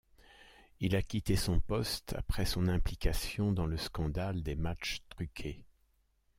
Il a quitté son poste après son implication dans le scandale des matches truqués.